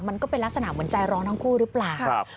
มันก็เป็นลักษณะเหมือนใจร้อนทั้งคู่หรือเปล่า